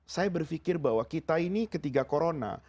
saya berpikir bahwa kita ini ketika corona